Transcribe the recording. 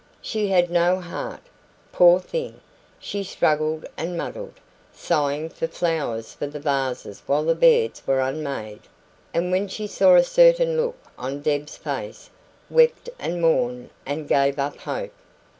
She had no 'heart', poor thing. She struggled and muddled, sighing for flowers for the vases while the beds were unmade; and when she saw a certain look on Deb's face, wept and mourned and gave up hope.